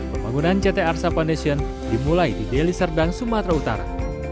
pembangunan ct arsa foundation dimulai di deli serdang sumatera utara